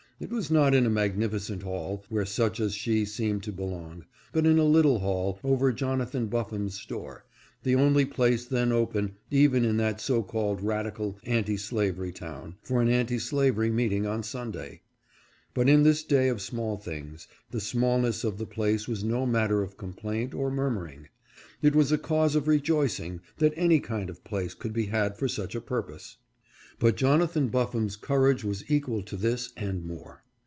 It was not in a magnificent hall, where such as she seemed to belong, but in a little hall over Jonathan Buffum's store, the only place then open, even in that so LYDIA MARIA CHILD. 571 called radical anti slavery town, for an anti slavery meet ing on Sunday. But in this day of small things, the smallness of the place was no matter of complaint or murmuring. It was a cause of rejoicing that any kind of place could be had for such a purpose. But Jonathan Buffum's courage was equal to this and more.